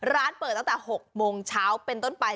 ร้านเปิดตั้งแต่๖โมงเช้าเป็นต้นไป